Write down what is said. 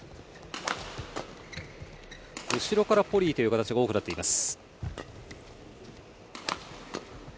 後ろからポリイという形が多くなっています。